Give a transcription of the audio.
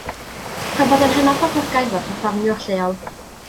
Profodd yn hynod boblogaidd fel perfformiwr lleol.